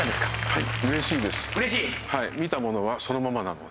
はい。